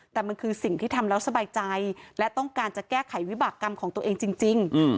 แต่มันคือสิ่งที่ทำแล้วสบายใจและต้องการจะแก้ไขวิบากรรมของตัวเองจริง